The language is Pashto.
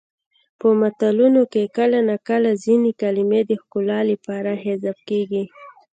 په متلونو کې کله ناکله ځینې کلمې د ښکلا لپاره حذف کیږي